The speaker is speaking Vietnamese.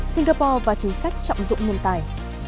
singapore và chính sách trọng dụng nguồn tài